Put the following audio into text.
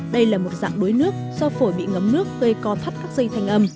đây là một dạng đuối nước do phổi bị ngấm nước gây co thắt các dây thanh âm